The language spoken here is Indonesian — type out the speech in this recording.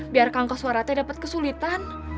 biar kang kosuarate dapat kesulitan